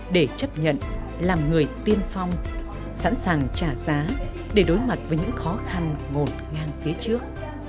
để chấp nhận làm người tiên phong sẵn sàng trả giá để đối mặt với những khó khăn ngột ngang phía trước